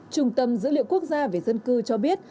trung tâm dữ liệu quốc gia về dân cư cho biết